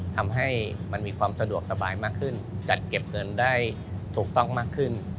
ทำให้มันมีความสะดวกสบายมากขึ้นจัดเก็บเงินได้ถูกต้องมากขึ้น